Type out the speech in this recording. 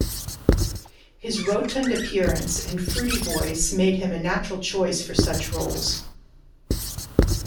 His rotund appearance and fruity voice made him a natural choice for such roles.